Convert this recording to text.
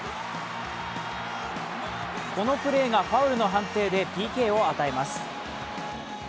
このプレーがファウルの判定でＰＫを与えます。